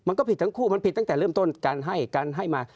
มันก็ผิดทั้งคู่มันผิดตั้งแต่เริ่มต้นการให้การให้มา